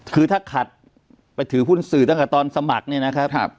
คือถ้าขัดไปถือหุ้นสื่อตั้งแต่ตอนสมัครเนี่ยนะครับ